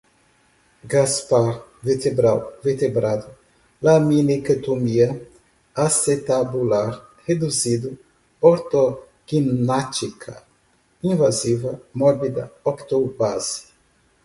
caspar, vertebral, vertebrado, laminectomia, acetabular, reduzido, ortognática, invasiva, mórbida, octobase